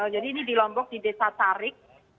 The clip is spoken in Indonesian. jadi ini di lombok di desa tarik